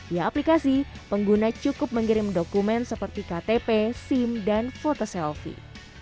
di aplikasi pengguna cukup mengirim dokumen seperti ktp sim dan foto selfie